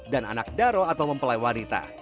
dan anak daro atau mempelai wanita